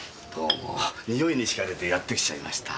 匂いに惹かれてやって来ちゃいました。